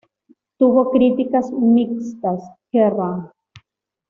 Tuvo críticas mixtas, Kerrang!